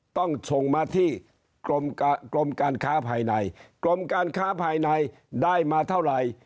ต้องส่งมาที่กรมการค้าภายในกรมการค้าภายในได้มาเท่าไหร่